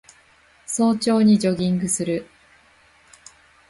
早朝にジョギングする